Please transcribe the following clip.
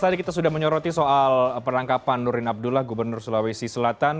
tadi kita sudah menyoroti soal penangkapan nurdin abdullah gubernur sulawesi selatan